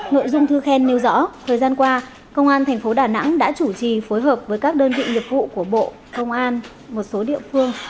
nội dung thư khen nêu rõ thời gian qua công an thành phố đà nẵng đã chủ trì phối hợp với các đơn vị nghiệp vụ của bộ công an một số địa phương